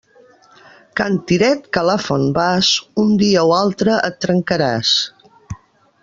Cantiret que a la font vas, un dia o altre et trencaràs.